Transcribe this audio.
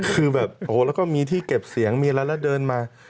คือแบบโอ้โหแล้วก็มีที่เก็บเสียงมีอะไรแล้วเดินมา